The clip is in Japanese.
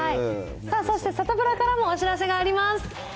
そしてサタプラからもお知らせがあります。